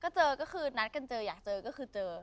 ก็เจอก็คือนัดกันเจออยากเจอก็คือเจอ